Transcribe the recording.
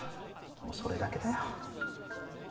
もうそれだけだよ